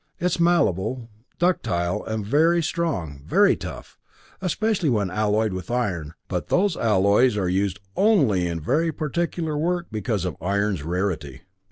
It is malleable, ductile, very very strong, very tough, especially when alloyed with iron, but those alloys are used only in very particular work because of iron's rarity."